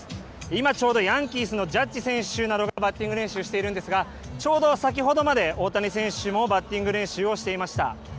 今、ちょうどヤンキースのジャッジ選手などがバッティング練習してるんですが、ちょうど先ほどまで大谷選手もバッティング練習をしていました。